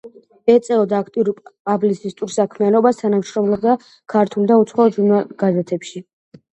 ეწეოდა აქტიურ პუბლიცისტურ საქმიანობას, თანამშრომლობდა ქართულ და უცხოურ ჟურნალ–გაზეთებში.